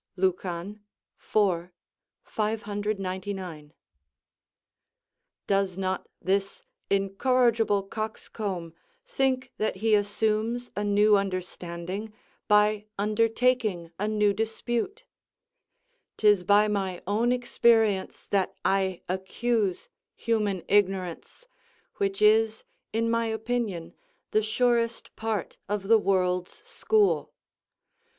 Lucan, iv. 599.] does not this incorrigible coxcomb think that he assumes a new understanding by undertaking a new dispute? 'Tis by my own experience that I accuse human ignorance, which is, in my opinion, the surest part of the world's school.